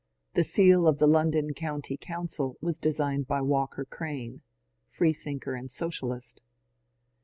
The seal of the London County Coimcil was designed by Walter Crane — freethinker and socialist.